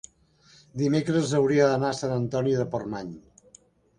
Dimecres hauria d'anar a Sant Antoni de Portmany.